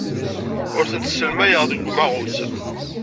Ur tent-sselyameɣ deg umaɣus.